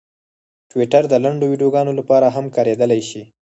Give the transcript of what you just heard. ټویټر د لنډو ویډیوګانو لپاره هم کارېدلی شي.